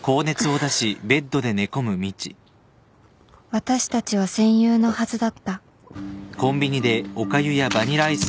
私たちは戦友のはずだった